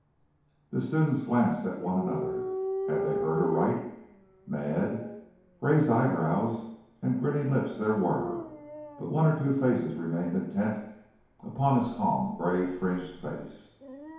The students glanced at one another. Had they heard aright? Mad? Raised eyebrows and grinning lips there were, but one or two faces remained intent upon his calm grey fringed face.